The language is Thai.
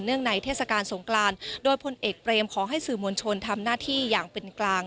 ในเทศกาลสงกรานโดยพลเอกเปรมขอให้สื่อมวลชนทำหน้าที่อย่างเป็นกลาง